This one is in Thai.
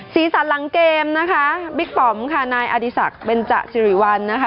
สีสันหลังเกมนะคะบิ๊กปอมค่ะนายอดีศักดิ์เบนจสิริวัลนะคะ